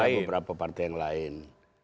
beberapa partai yang lain